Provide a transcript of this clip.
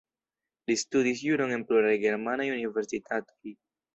Li studis juron en pluraj germanaj universitatoj.